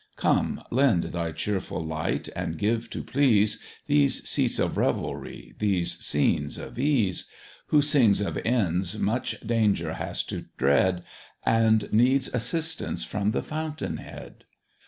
Come, lend thy cheerful light, and give to please, These seats of revelry, these scenes of ease; Who sings of Inns much danger has to dread, And needs assistance from the fountain head.